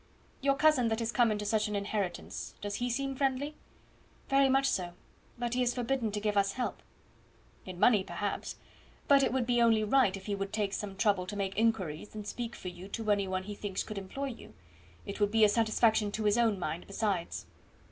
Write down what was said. "Your cousin that has come into such an inheritance, does he seem friendly?" "Very much so, but he is forbidden to give us help." "In money, perhaps; but it would be only right if he would take some trouble to make inquiries, and speak for you to any one he thinks could employ you. It would be a satisfaction to his own mind, besides."